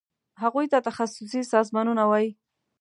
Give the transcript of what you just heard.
هغوی ته تخصصي سازمانونه وایي.